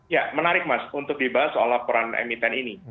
ya menarik mas untuk dibahas soal laporan emiten ini